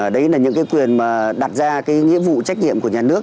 đấy là những quyền đặt ra nghĩa vụ trách nhiệm của nhà nước